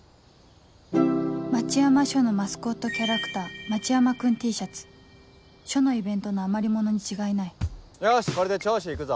町山署のマスコットキャラクター町山くん Ｔ シャツ署のイベントの余り物に違いないよしこれで聴取行くぞ。